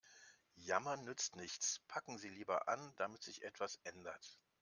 Jammern nützt nichts, packen Sie lieber an, damit sich etwas ändert.